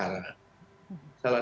salah saksi yang penting adalah